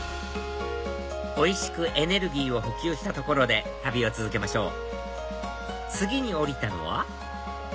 おいしくエネルギーを補給したところで旅を続けましょう次に降りたのは？